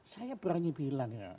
saya berani bilang ya